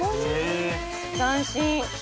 斬新。